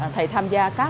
thầy tham gia một bộ môn